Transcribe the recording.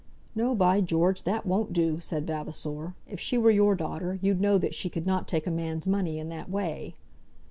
"No, by George! that won't do," said Vavasor. "If she were your daughter you'd know that she could not take a man's money in that way."